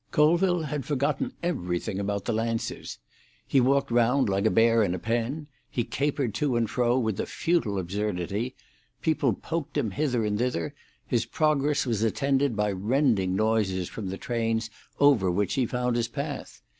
Colville had forgotten everything about the Lancers. He walked round like a bear in a pen: he capered to and fro with a futile absurdity; people poked him hither and thither; his progress was attended by rending noises from the trains over which he found his path.